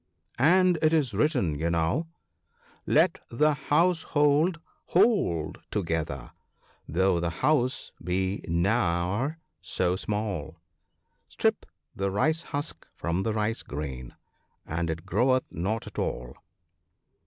"* And it is written, you know, " Let the household hold together, though the house be ne'er so small ; Strip the rice husk from the rice grain, and it groweth not at all."